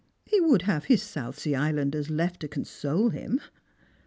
He would have his South Sea Islanders left to console him."